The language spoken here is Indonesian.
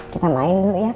kita main dulu ya